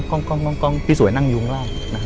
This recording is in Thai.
ก็สวยนั่งยุงล่ะ